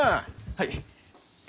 はい。